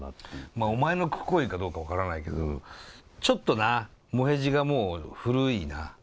まあお前のくこいかどうか分からないけどちょっとなもへじがもう古いな。